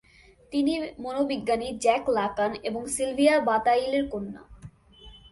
তিনি মনোবিজ্ঞানী Jacques Lacan এবং সিলভিয়া বাতাইলের কন্যা।